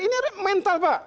ini mental pak